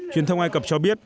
truyền thông ai cập cho biết